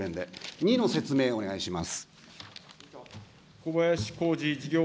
２の説明をお願いします。